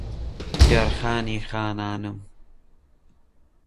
یار خانی خانانم